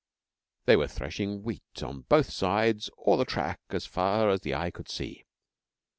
They were threshing the wheat on both sides or the track as far as the eye could see.